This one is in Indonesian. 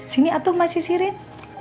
sini atuh emma sisirin